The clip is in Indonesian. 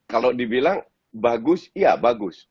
kalau dibilang bagus iya bagus